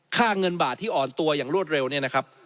ค่าเงินบาทที่อ่อนตัวอย่างรวดเร็วเนี่ยนะครับ